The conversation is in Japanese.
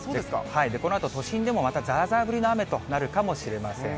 このあと、都心でもまたざーざー降りの雨となるかもしれません。